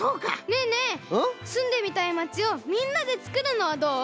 ねえねえすんでみたい町をみんなでつくるのはどう？